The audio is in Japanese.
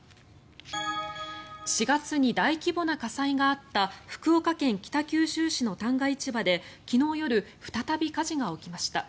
４月に大規模な火災があった福岡県北九州市の旦過市場で昨日夜、再び火事が起きました。